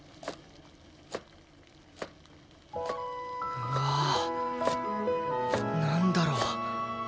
うわなんだろう